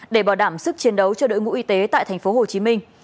để bảo đảm sức chiến đấu cho đội ngũ y tế tại thành phố hồ chí minh